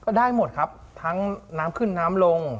ได้หมดครับทั้งน้ำขึ้นน้ำลง